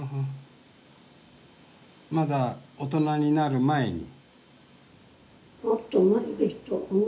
まだ大人になる前に？